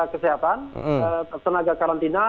kesehatan tenaga karantina